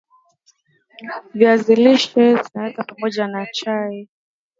viazi lishe Vinaweza pamoja na chai